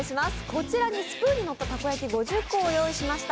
こちらにスプーンにのったたこ焼き５０個を用意しました。